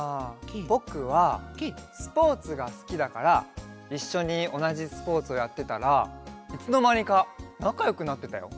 ぼくはスポーツがすきだからいっしょにおなじスポーツをやってたらいつのまにかなかよくなってたよ。